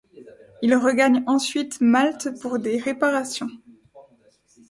Il regagne ensuite Malte pour des réparations.